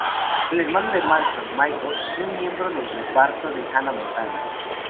El hermano de Mason, Mitchel fue miembro del reparto de "Hannah Montana".